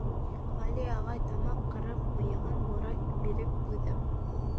Ғәли ағай, тамаҡ ҡырып, мыйығын бора биреп ҡуйҙы.